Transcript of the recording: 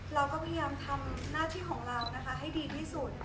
เราก็พยายามทำหน้าที่ของเรานะคะให้ดีที่สุด